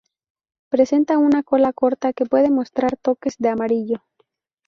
Presenta una cola corta que puede mostrar toques de amarillo.